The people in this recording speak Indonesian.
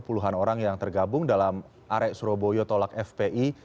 puluhan orang yang tergabung dalam arek surabaya tolak fpi